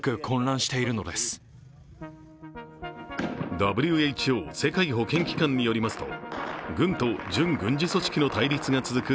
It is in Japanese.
ＷＨＯ＝世界保健機関によりますと、軍と準軍事組織の対立が続く